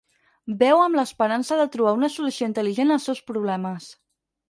Beu amb l'esperança de trobar una solució intel·ligent als seus problemes.